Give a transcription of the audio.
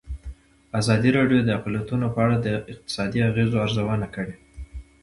ازادي راډیو د اقلیتونه په اړه د اقتصادي اغېزو ارزونه کړې.